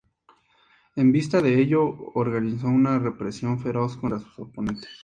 En vista de ello organizó una represión feroz contra sus oponentes.